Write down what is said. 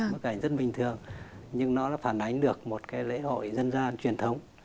bức ảnh rất bình thường nhưng nó phản ánh được một cái lễ hội dân gian truyền thống